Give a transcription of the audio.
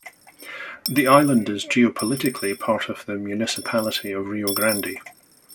The island is geopolitically part of the municipality of Rio Grande.